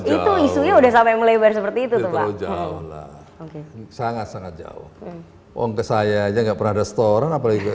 itu isunya sudah sampai melebar seperti itu tuh pak